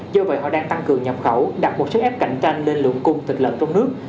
do vậy họ đang tăng cường nhập khẩu đặt một sức ép cạnh tranh lên lượng cung thịt lợn trong nước